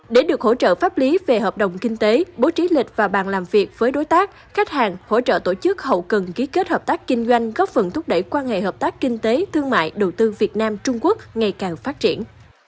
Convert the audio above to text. để được hỗ trợ pháp lý về hợp đồng kinh tế bố trí lịch và bàn làm việc với đối tác khách hàng hỗ trợ tổ chức hậu cần ký kết hợp tác kinh doanh góp phần thúc đẩy quan hệ hợp tác kinh tế thương mại đầu tư việt nam trung quốc ngày càng phát triển